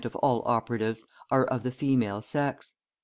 of all operatives are of the female sex.